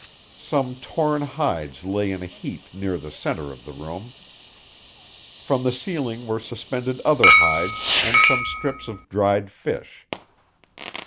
Some torn hides lay in a heap near the center of the room. From the ceiling were suspended other hides and some strips of dried fish.